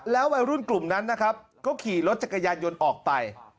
วัยรุ่นกลุ่มนั้นนะครับก็ขี่รถจักรยานยนต์ออกไป